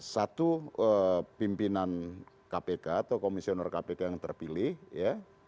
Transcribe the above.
satu pimpinan kpk atau komisioner kpk yang terpilih ya